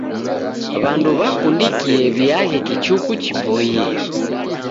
W'andu w'akundikie w'iaghe kichuku chipoiye.